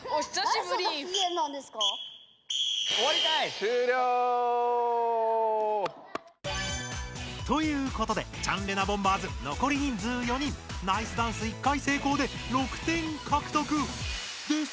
終了！ということでチャンレナボンバーズ残り人数４人ナイスダンス１回成功で６点獲得！ですが。